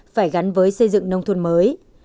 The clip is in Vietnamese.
phải gắn với xây dựng nông thôn mới